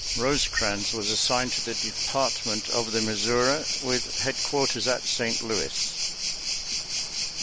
Rosecrans was assigned to the Department of the Missouri, with headquarters at St. Louis.